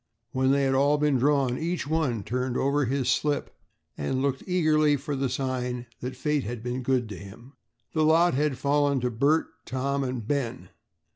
When they had all been drawn, each one turned over his slip and looked eagerly for the sign that fate had been good to him. The lot had fallen to Bert, Tom, and Ben.